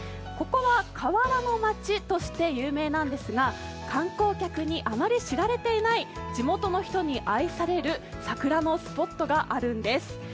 ここは瓦の町として有名なんですが観光客にあまり知られていない地元の人に愛される桜のスポットがあるんです。